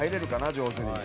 上手に。